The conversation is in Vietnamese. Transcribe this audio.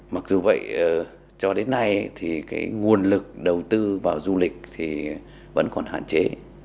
mặc dù vậy cho đến nay nguồn lực đầu tư vào du lịch vẫn còn hạn chế